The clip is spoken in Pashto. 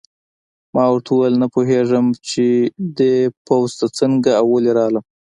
ما ورته وویل: نه پوهېږم چې دې پوځ ته څنګه او ولې راغلم.